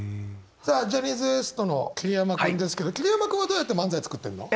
さあジャニーズＷＥＳＴの桐山君ですけど桐山君はどうやって漫才作ってるの？